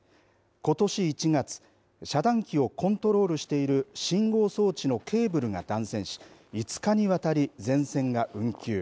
ことし１月遮断機をコントロールしている信号装置のケーブルが断線し５日に渡り全線が運休。